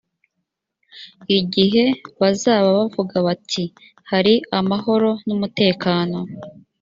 igihe bazaba bavuga bati “hari amahoro n’ umutekano”